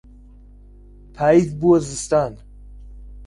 پاییز بووە زستان.